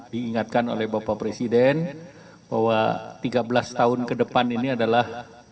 diingatkan oleh bapak presiden bahwa tiga belas tahun ke depan ini adalah